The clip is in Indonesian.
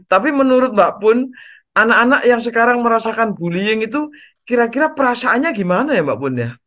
tapi menurut mbak pun anak anak yang sekarang merasakan bullying itu kira kira perasaannya gimana ya mbak pun ya